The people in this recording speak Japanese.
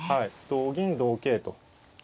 同銀同桂と。